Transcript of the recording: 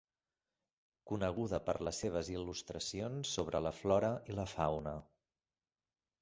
Coneguda per les seves il·lustracions sobre la flora i la fauna.